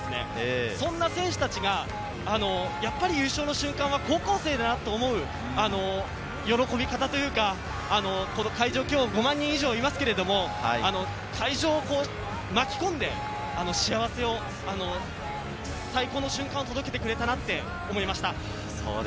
そんな選手たちが、優勝の瞬間は高校生だなという喜び方というか、会場５万人以上いますが、会場を巻き込んで幸せを、最高の瞬間を届けてくれたなって思いました。